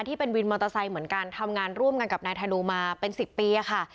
ที่เป็นวินมอเตอร์ไซค์เหมือนกันทำงานร่วมกันกับนายธนูมาเป็น๑๐ปีค่ะ